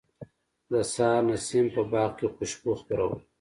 د سحر نسیم په باغ کې خوشبو خپروله.